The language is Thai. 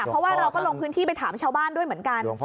เพราะว่าเราก็ลงพื้นที่ไปถามชาวบ้านด้วยเหมือนกัน